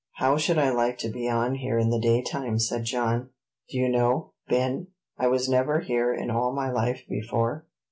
"How I should like to be on here in the daytime!" said John. "Do you know, Ben, I was never here in all my life before?"